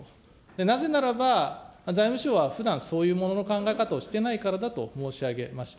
なぜならば、財務省はふだん、そういうものの考え方をしてないからだと申し上げました。